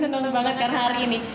senang banget karena hari ini